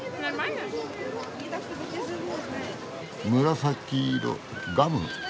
紫色ガム？